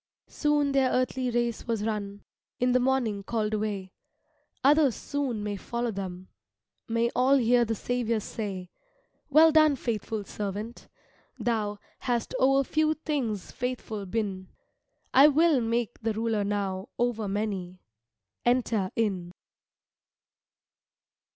Soon their earthly race was run, In the morning called away; Others soon may follow them, May all hear the Saviour say, "Well done, faithful servant; thou Hast o'er few things faithful been, I will make the ruler now Over many enter in."